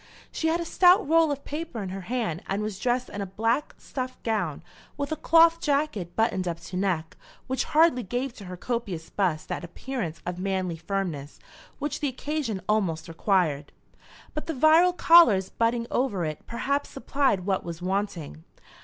She had a stout roll of paper in her hand, and was dressed in a black stuff gown, with a cloth jacket buttoned up to neck, which hardly gave to her copious bust that appearance of manly firmness which the occasion almost required. But the virile collars budding out over it perhaps supplied what was wanting.